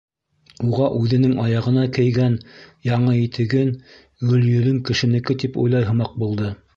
Уға үҙенең аяғына кейгән яңы итеген Гөлйөҙөм кешенеке тип уйлай һымаҡ булды.